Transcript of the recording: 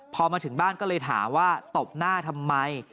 พอมาถึงบ้านก็เลยถามว่าตบหน้าทำไม